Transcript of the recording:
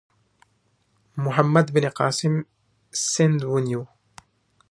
محمد بن قاسم سند ونیو.